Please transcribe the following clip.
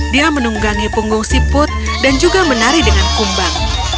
dia menunggangi punggung siput dan juga menari dengan kumbang